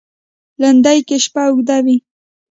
لېندۍ کې شپه اوږده وي.